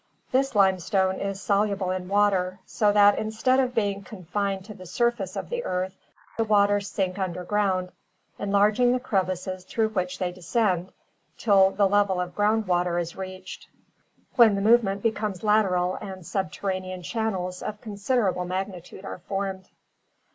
This limestone is soluble in water so that instead of being confined to the surface of the earth the waters sink under ground, enlarging the crevices through which they descend until the level of ground water is reached, when the movement becomes lateral and subterranean channels of consider able magnitude are formed.